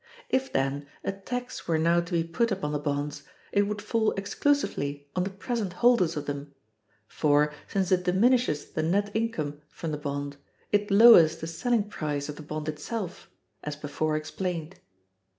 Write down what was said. If, then, a tax were now to be put upon the bonds, it would fall exclusively on the present holders of them; for, since it diminishes the net income from the bond, it lowers the selling price of the bond itself, as before explained.